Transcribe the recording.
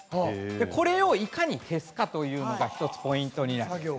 これをいかに消すかというのが１つポイントになります。